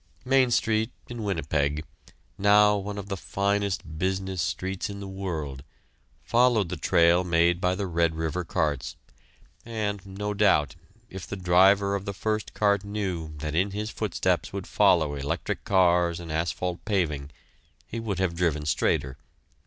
Main Street, in Winnipeg, now one of the finest business streets in the world, followed the trail made by the Red River carts, and, no doubt, if the driver of the first cart knew that in his footsteps would follow electric cars and asphalt paving, he would have driven straighter.